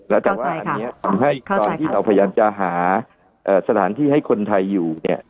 แล้วแต่ว่าอันนี้ทำให้ตอนที่เราพยายามจะหาสถานที่ให้คนไทยอยู่เนี่ย